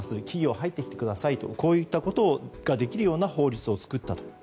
企業、入ってきてくださいとこういったことができる法律を作ったと。